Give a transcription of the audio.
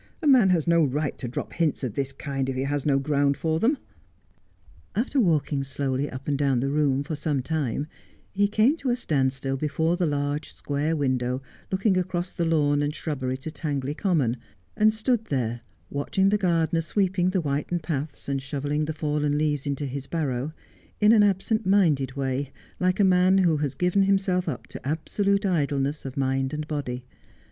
A man has no right to drop hints of this kind if he has no ground for them.' A Plea for the Prisoner. 87 After walking slowly up and down the room for some time lie came to a standstill before the large square window looking across the lawn and shrubbery to Tangley Common, and stood there watching the gardener sweeping the whitened paths, and shovelling the fallen leaves into his barrow, in an absent minded way, like a man who has given himself up to absolute idleness of mind and body.